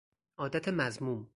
عادت مذموم